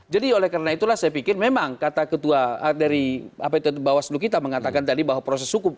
jadi oleh karena itulah saya pikir memang kata ketua dari apa itu bawah seluruh kita mengatakan tadi bahwa proses hukum